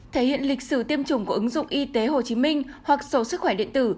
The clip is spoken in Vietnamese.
thể hiện lịch sử tiêm chủng của ứng dụng y tế hồ chí minh hoặc số sức khỏe điện tử